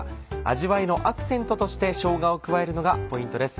味わいのアクセントとしてしょうがを加えるのがポイントです。